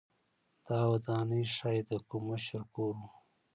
دا ودانۍ ښايي د کوم مشر کور و